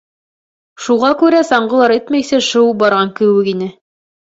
Шуға күрә саңғылар этмәйенсә шыуып барған кеүек ине.